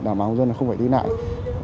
đảm bảo công dân không phải đi lại